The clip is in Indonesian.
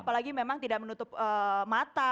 apalagi memang tidak menutup mata